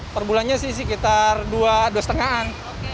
perbulannya sih sekitar dua dua lima an